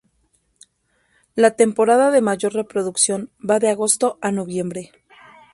La temporada de mayor reproducción va de agosto a noviembre.